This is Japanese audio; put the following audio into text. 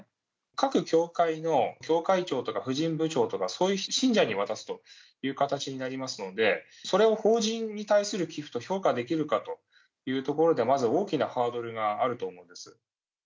各教会の教会長とか婦人部長とか、そういう信者に渡すという形になりますので、それを法人に対する寄付と評価できるかというところで、まず大きなハードルがあると思います。